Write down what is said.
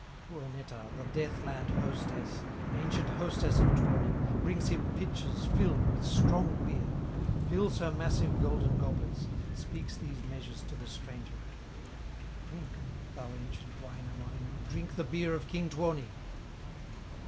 Tuonetar, the death land hostess, Ancient hostess of Tuoni, Brings him pitchers filled with strong beer, Fills her massive golden goblets, Speaks these measures to the stranger: "Drink, thou ancient Wainamoinen, Drink the beer of king Tuoni!"